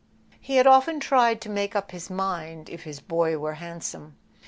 He had often tried to make up his mind if his boy were handsome.